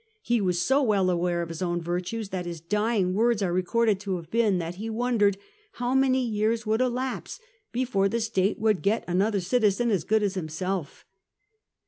^, He was so well aware of his own virtues that his dying words are recorded to have been that he wondered how many years would elapse before the state would get another citizen as good as himself.